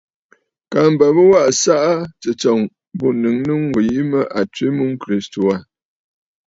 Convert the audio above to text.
Kaa mbə bɨ waꞌǎ ɨsaꞌa tsɨ̂tsɔ̀ŋ bû ǹnɨŋ a nu bə̀ bìi mə bɨ tswe a mum Kristo Yesu aà.